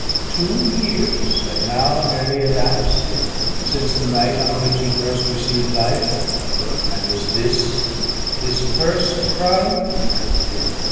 Two years had now nearly elapsed since the night on which he first received life; and was this his first crime?